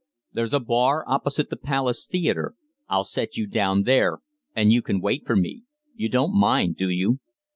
There's a bar opposite the Palace Theatre. I'll set you down there, and you can wait for me. You don't mind, do you?"